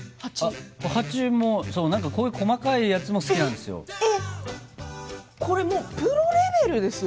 蜂もこういう細かいやつも好きなんですよ。